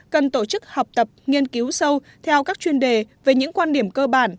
cần tổ chức học tập nghiên cứu sâu theo các chuyên đề về những quan điểm cơ bản